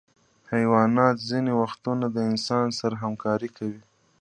حیوانات ځینې وختونه د انسان سره همکاري کوي.